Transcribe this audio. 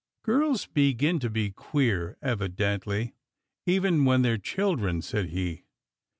"Girls begin to be queer evidently, even when they re children," said he.